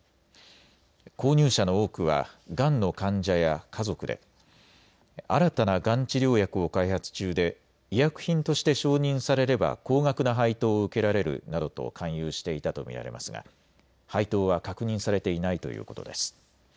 購入者の多くはがんの患者や家族で新たながん治療薬を開発中で医薬品として承認されれば高額な配当を受けられるなどと勧誘していたと見られますが配当は確認されていないということです。